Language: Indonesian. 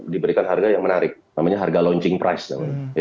diberikan harga yang menarik namanya harga launching price namanya